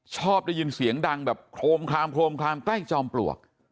ชอบได้ยินเสียงดังแบบโครมคลามโครมคลามใกล้จอมปลวก